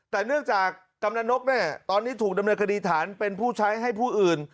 แต่เนื่องจากกำลังนกตอนนี้ถูกดำเนินคดีฐานเป็นผู้ใช้ให้ผู้อื่น